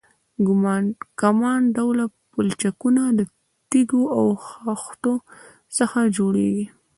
کمان ډوله پلچکونه د تیږو او خښتو څخه جوړیږي